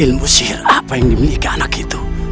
ilmu sihir apa yang dimiliki anak itu